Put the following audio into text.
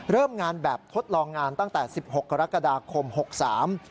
เริ่มงานแบบทดลองงานตั้งแต่๑๖กรกฎาคม๑๙๖๓